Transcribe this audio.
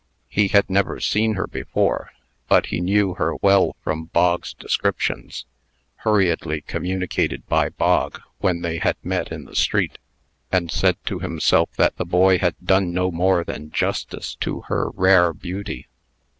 He had never seen her before, but he knew her well from Bog's descriptions (hurriedly communicated by Bog when they had met in the street), and said to himself that the boy had done no more than justice to her rare beauty.